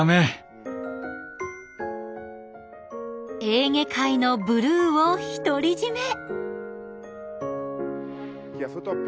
エーゲ海のブルーを独り占め！